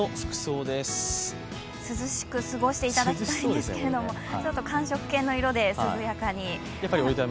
涼しく過ごしていただきたいですけれども寒色系の色で涼やかに。